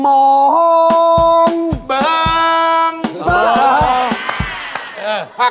จับข้าว